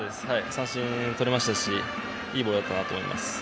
三振をとれましたしいいボールだったなと思います。